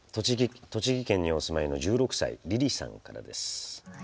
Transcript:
栃木県にお住まいの１６歳、ＲＩＲＩさんからです。